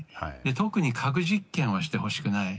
特に核実験はしてほしくない。